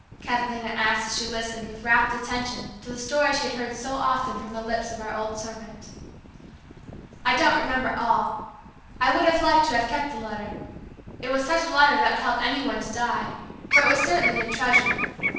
Catalina asked as she listened with rapt attention to the story she had heard so often from the lips of our old servant. "I don't remember all. I would have liked to have kept the letter. It was such a letter that would help any one to die, for it was certainly a treasure.